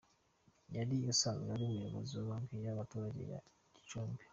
Yari usanzwe ari umuyobozi wa Banki y’Abaturage ya Gicumbi.